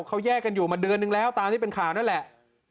เขาแยกกันอยู่มาเดือนนึงแล้วตามที่เป็นข่าวนั่นแหละ